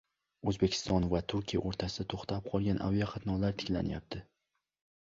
O‘zbekiston va Turkiya o‘rtasida to‘xtab qolgan aviaqatnovlar tiklanyapti